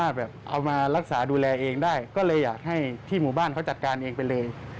ที่หมู่บ้านเค้าจัดการเองเป็นเลย